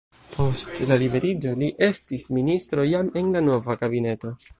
Post la liberiĝo li estis ministro jam en la nova kabineto.